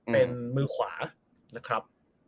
เป็นมือขวานะครับ